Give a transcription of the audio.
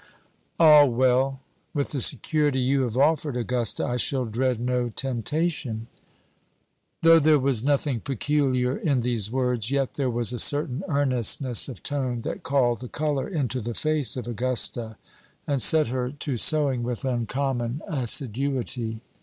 "Ah, well! with the security you have offered, Augusta, I shall dread no temptation." Though there was nothing peculiar in these words, yet there was a certain earnestness of tone that called the color into the face of Augusta, and set her to sewing with uncommon assiduity.